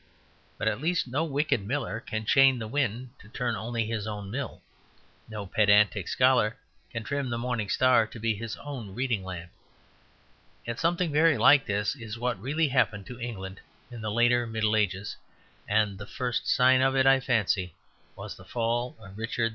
But at least no wicked miller can chain the wind to turn only his own mill; no pedantic scholar can trim the morning star to be his own reading lamp. Yet something very like this is what really happened to England in the later Middle Ages; and the first sign of it, I fancy, was the fall of Richard II.